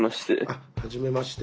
あはじめまして。